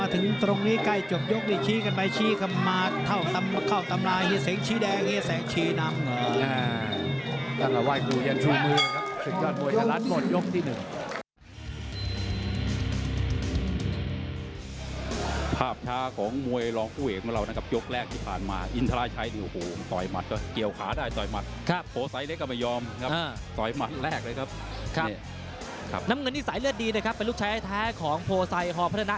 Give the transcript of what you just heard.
สิ่งที่ใกล้จบยกที่ชี้กันไปชี้ข้ามมาเท่าตำลายให้เสียงชี้แดงให้เสียงชี้น้ำ